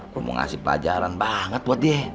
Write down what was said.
kamu mau ngasih pelajaran banget buat dia